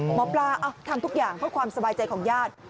หมอปลาทำทุกอย่างเพื่อความสบายใจของญาติ